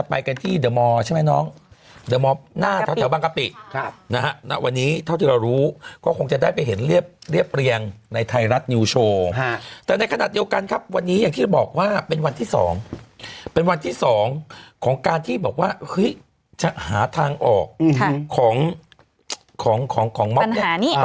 เป็นเรียบเรียบเรียงในไทยรัฐนิวโชว์แต่ในขณะเดียวกันครับวันนี้อย่างที่บอกว่าเป็นวันที่สองเป็นวันที่สองของการที่บอกว่าเฮ้ยจะหาทางออกของของของของปัญหานี้